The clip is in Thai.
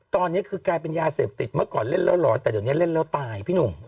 ตอนนี้คือกลายเป็นยาเสพติดเมื่อก่อนเล่นแล้วหลอนแต่เดี๋ยวนี้เล่นแล้วตายพี่หนุ่ม